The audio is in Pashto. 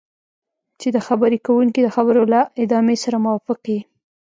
چې د خبرې کوونکي د خبرو له ادامې سره موافق یې.